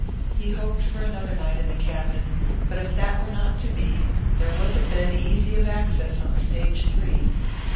He hoped for another night in the cabin, but if that were not to be, there was a bed easy of access on Stage Three.